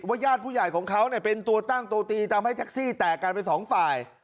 ญาติผู้ใหญ่ของเขาเป็นตัวตั้งตัวตีทำให้แท็กซี่แตกกันเป็นสองฝ่าย